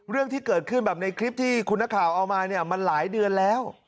เรื่องที่เกิดขึ้นแบบในคลิปที่คุณนักข่าวเอามาเนี่ยมันหลายเดือนแล้ว